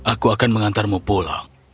aku akan mengantarmu pulang